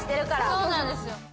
そうなんですよ。